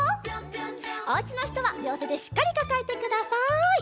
おうちのひとはりょうてでしっかりかかえてください。